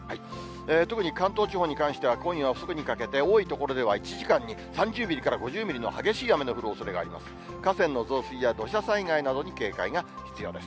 特に関東地方に関しては、今夜遅くにかけて多い所では１時間に３０ミリから５０ミリの激しい雨の降るおそれがあります。